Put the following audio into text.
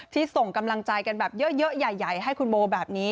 ส่งกำลังใจกันแบบเยอะใหญ่ให้คุณโบแบบนี้